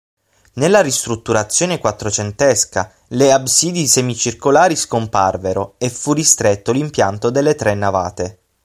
Nella ristrutturazione quattrocentesca le absidi semicircolari scomparvero e fu ristretto l'impianto delle tre navate.